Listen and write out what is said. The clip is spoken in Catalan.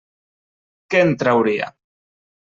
Què en trauria?